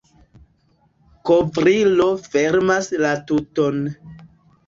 Kovrilo fermas la tuton.